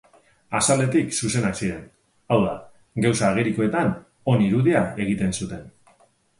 Azaletik zuzenak ziren; hau da, gauza agerikoetan on irudia egiten zuten.